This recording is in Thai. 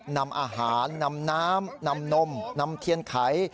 นำอาหารนำน้ำนำนมนำเทียนไข